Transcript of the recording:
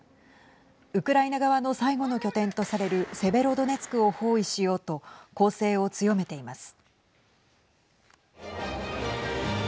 ウクライナ側の最後の拠点とされるセベロドネツクを包囲しようと攻勢を強めています。